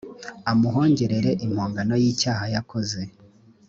amuhongerere impongano y icyaha yakoze